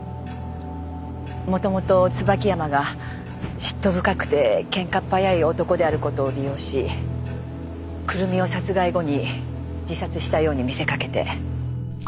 元々椿山が嫉妬深くてケンカっ早い男である事を利用し久瑠実を殺害後に自殺したように見せかけて。